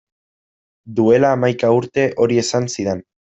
Duela hamaika urte hori esan zidan.